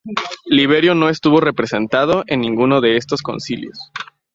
Liberio no estuvo representado en ninguno de estos concilios.